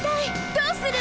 どうする！？